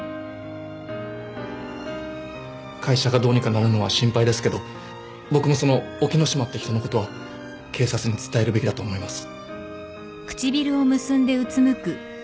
会社がどうにかなるのは心配ですけど僕もその沖野島って人のことは警察に伝えるべきだと思います。